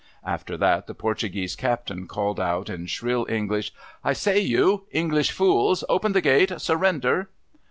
After that, the Portuguese captain called out in shrill English, ' I say you ! English fools ! Open the gate ! Surrender